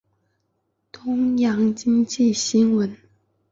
东洋经济新闻编辑长于京滨东北线列车中因性骚扰两名女子被捕。